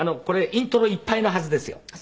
これイントロいっぱいのはずですよ。